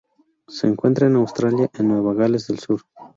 Se encuentra en Australia en Nueva Gales del Sur.